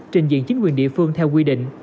trình diện chính quyền địa phương theo quy định